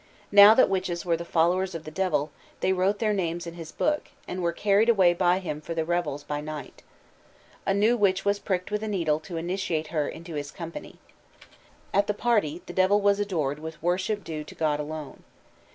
Now that witches were the followers of the Devil, they wrote their names in his book, and were carried away by him for the revels by night. A new witch was pricked with a needle to initiate her into his company. At the party the Devil was adored with worship due to God alone.